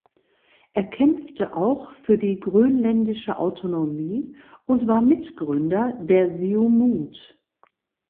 Er kämpfte auch für die grönländische Autonomie und war Mitgründer der Siumut.